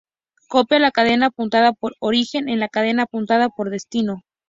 Copia la cadena apuntada por "origen" en la cadena apuntada por "destino".